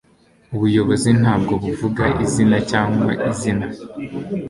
ubuyobozi ntabwo buvuga izina cyangwa izina